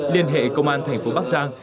liên hệ công an tp bắc giang